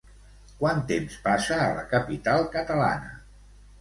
Quant temps passa a la capital catalana?